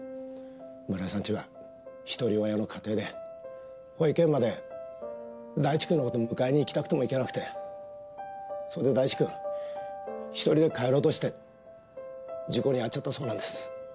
村井さんちは一人親の家庭で保育園まで大地くんの事迎えに行きたくとも行けなくてそれで大地くん１人で帰ろうとして事故に遭っちゃったそうなんです。